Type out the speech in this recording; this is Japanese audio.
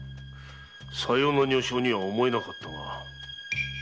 さような女性には思えなかったが。